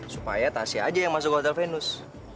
supaya tasya aja yang masuk ke hotel venus